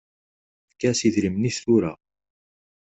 Efk-as idrimen-is tura.